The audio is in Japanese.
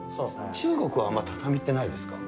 中国はあんまり、畳ってないですか？